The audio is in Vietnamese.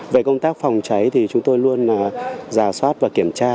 về công tác phòng cháy thì chúng tôi luôn giả soát và kiểm tra